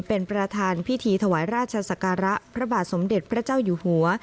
เป็นประธานพิธีถวายราชศักระพระบาทสมเด็จพระเจ้าอยู่หัว